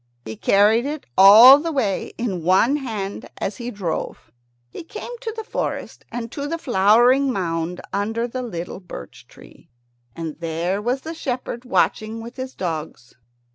He carried it all the way in one hand as he drove. He came to the forest and to the flowering mound under the little birch tree, and there was the shepherd watching with his dogs.